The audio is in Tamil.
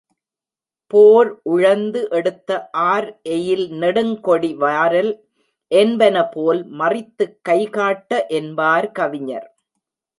போர் உழந்து எடுத்த ஆர்எயில் நெடுங் கொடி வாரல் என்பன போல் மறித்துக் கை காட்ட என்பார் கவிஞர்.